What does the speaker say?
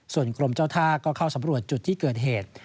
ส่วนกรมเจ้าท่าก็เข้าสำรวจจุดที่เกิดเหตุ